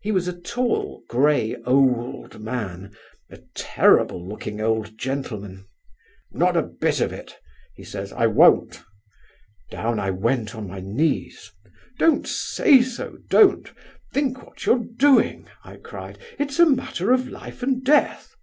He was a tall, grey old man—a terrible looking old gentleman. 'Not a bit of it,' he says. 'I won't.' Down I went on my knees. 'Don't say so, don't—think what you're doing!' I cried; 'it's a matter of life and death!